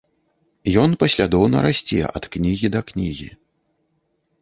Ён паслядоўна расце ад кнігі да кнігі.